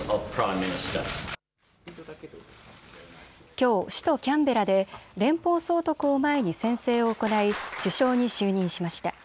きょう首都キャンベラで連邦総督を前に宣誓を行い首相に就任しました。